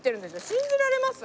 信じられます？